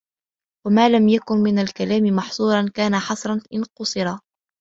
وَمَا لَمْ يَكُنْ مِنْ الْكَلَامِ مَحْصُورًا كَانَ حَصْرًا إنْ قَصُرَ